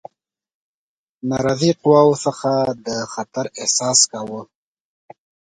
ناراضي قواوو څخه د خطر احساس کاوه.